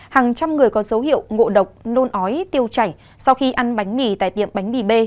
hàng trăm người có dấu hiệu ngộ độc nôn ói tiêu chảy sau khi ăn bánh mì tại tiệm bánh mì b